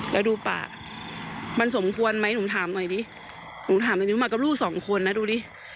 แล้วดูป่ามันสมควรไหมหนูถามหน่อยดิหนูถามแบบนี้มากับลูกสองคนนะดูดิ